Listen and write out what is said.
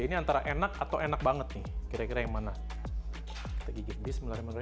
ini antara enak atau enak banget nih kira kira yang mana kita gigit ini sembilan puluh lima gr